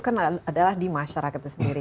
kan adalah di masyarakat itu sendiri